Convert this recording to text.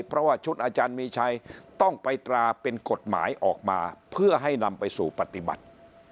เพราะว่าชุดอาจารย์มีชัยต้องไปตราเป็นกฎหมายออกมาเพื่อให้นำไปสู่ปฏิบัติ